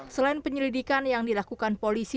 selain penyelidikan yang dilakukan polisi